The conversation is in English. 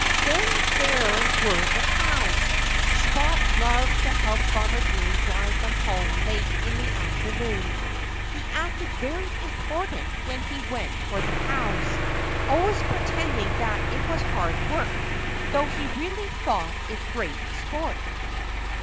Then there were the cows. Spot loved to help Farmer Green drive them home late in the afternoon. He acted very important when he went for the cows, always pretending that it was hard work, though he really thought it great sport.